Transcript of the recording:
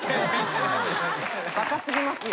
バカ過ぎますよ。